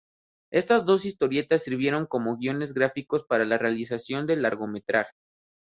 Estas dos historietas sirvieron como guiones gráficos para la realización del largometraje.